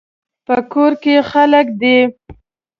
په کور کې خلک دي